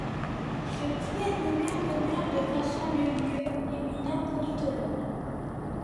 Ce prix est nommé en l'honneur de Vincent Lemieux, éminent politologue.